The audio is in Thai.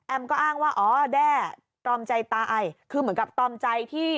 ก็อ้างว่าอ๋อแด้ตรอมใจตายคือเหมือนกับตอมใจที่